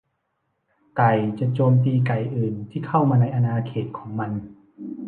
ไก่จะโจมตีไก่อื่นที่เข้ามาในอาณาเขตของมัน